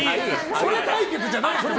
それ対決じゃないです。